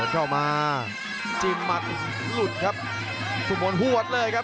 เข้ามาจิ้มหมัดหลุดครับสุมนต์หวดเลยครับ